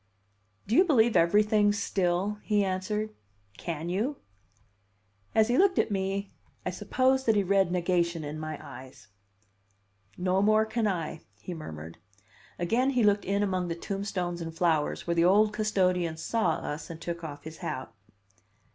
"Do you believe everything still?" he answered. "Can you?" As he looked at me, I suppose that he read negation in my eyes. "No more can I," he murmured. Again he looked in among the tombstones and flowers, where the old custodian saw us and took off his hat.